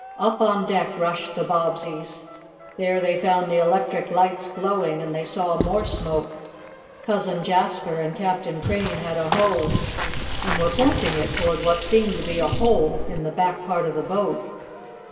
Up on deck rushed the Bobbseys. There they found the electric lights glowing, and they saw more smoke. Cousin Jasper and Captain Crane had a hose and were pointing it toward what seemed to be a hole in the back part of the boat.